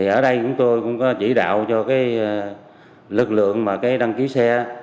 ở đây chúng tôi cũng có chỉ đạo cho lực lượng đăng ký xe